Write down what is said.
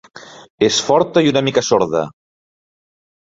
És forta i una mica sorda.